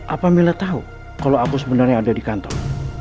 apa mila tahu kalau aku sebenarnya ada di kantor